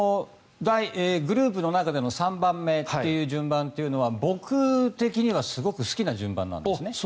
グループの中での３番目という順番というのは僕的にはすごく好きな順番なんです。